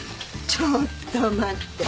ちょっと待って。